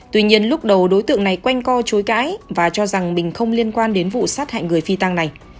tuy nhiên lúc đầu đối tượng này quanh co chối cãi và cho rằng mình không liên quan đến vụ sát hại người phi tăng này